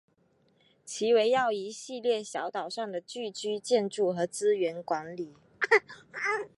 其围绕一系列小岛上的聚居建筑和资源管理。